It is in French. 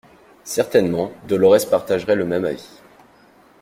Certainement Dolorès partagerait le même avis.